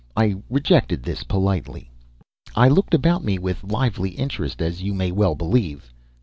I rejected this, politely. I looked about me with lively interest, as you may well believe.